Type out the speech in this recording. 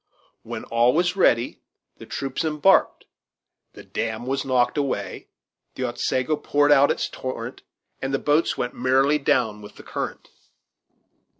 When all was ready the troops embarked, the damn was knocked away, the Otsego poured out its torrent, and the boats went merrily down with the current.